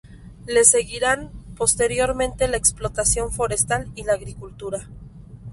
Le seguirían posteriormente la explotación forestal y la agricultura.